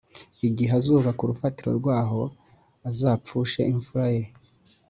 Igihe azubaka urufatiro rwaho azapfushe imfura ye